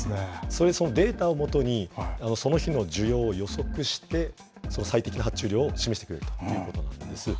データを基に、その日の需要を予測して、最適な発注量を示してくれるということなんです。